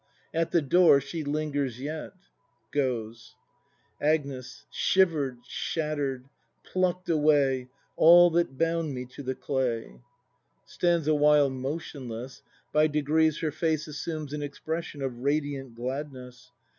At the door she lingers yet. [Goes. Agnes. Shiver'd, shatter'd— pluck'd away — All that bound me to the clay. [Stands a while motionless; by degrees her face assumes an expression of radiant gladness.